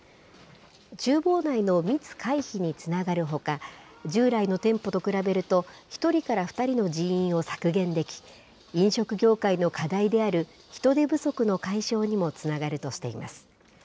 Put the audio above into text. ちゅう房内の密回避につながるほか、従来の店舗と比べると１人から２人の人員を削減でき、飲食業界の課題である人手不足の解消にもつながるとしています。